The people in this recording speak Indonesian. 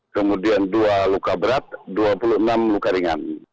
kemudian dua luka berat dua puluh enam luka ringan